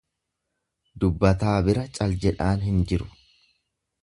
Dubbataa bira cal jedhaan hin jiru.